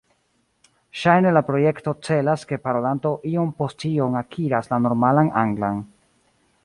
Ŝajne la projekto celas ke parolanto iom-post-iom akiras la normalan anglan.